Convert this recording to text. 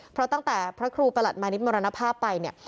เพราะตั้งแต่พระครูประหลัดมานิดมรณภาพไปเนี่ย